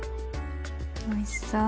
おいしそう！